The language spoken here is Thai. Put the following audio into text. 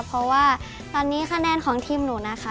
เพราะว่าตอนนี้คะแนนของทีมหนูนะคะ